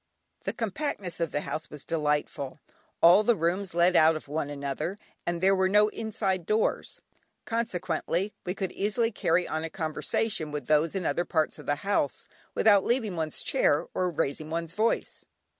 The compactness of the house was delightful. All the rooms led out of one another, and there were no inside doors, consequently one could easily carry on a conversation with those in other parts of the house without leaving one's chair or raising one's voice.